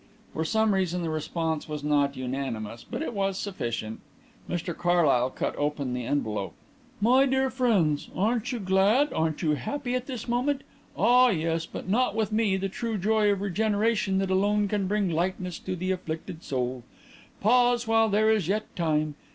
For some reason the response was not unanimous, but it was sufficient. Mr Carlyle cut open the envelope. "MY DEAR FRIENDS, Aren't you glad? Aren't you happy at this moment? Ah yes; but not with the true joy of regeneration that alone can bring lightness to the afflicted soul. Pause while there is yet time.